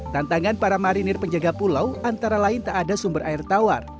tantangan para marinir penjaga pulau antara lain tak ada sumber air tawar